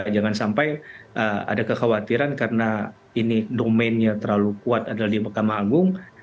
jangan sampai ada kekhawatiran karena ini domainnya terlalu kuat adalah di mahkamah agung